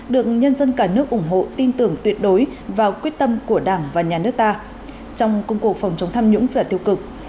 luôn cả nước ủng hộ tin tưởng tuyệt đối vào quyết tâm của đảng và nhà nước ta trong công cuộc phòng chống tham nhũng và tiêu cực